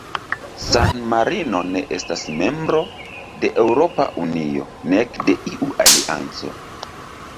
San-Marino ne estas membro de Eŭropa Unio, nek de iu alianco.